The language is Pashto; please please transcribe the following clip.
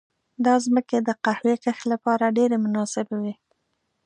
دا ځمکې د قهوې کښت لپاره ډېرې مناسبې وې.